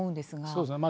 そうですね。